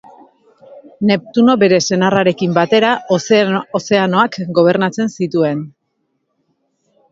Neptuno bere senarrarekin batera, ozeanoak gobernatzen zituen.